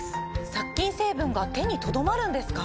殺菌成分が手にとどまるんですか？